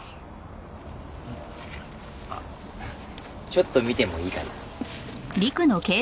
ちょっと見てもいいかな？